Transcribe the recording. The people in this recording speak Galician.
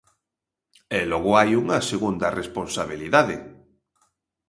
E logo hai unha segunda responsabilidade.